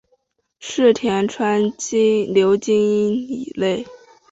柿田川流经町内。